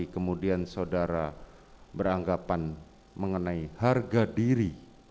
kemudian saudara beranggapan mengenai harga diri